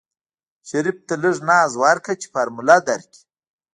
شريف ته لږ ناز ورکه چې فارموله درکي.